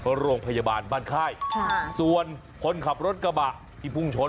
โรงพยาบาลบ้านค่ายค่ะส่วนคนขับรถกระบะที่พุ่งชน